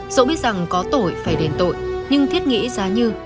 dẫu biết rằng có tội phải đền tội nhưng thiết nghĩ giá như